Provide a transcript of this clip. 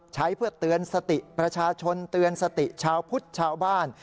ใช้เพื่อเตือนสติประชาชนเตือนสติชาวพุทธชาวบ้าน